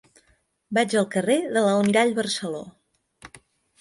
Vaig al carrer de l'Almirall Barceló.